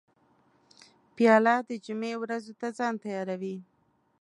پیاله د جمعې ورځو ته ځان تیاروي.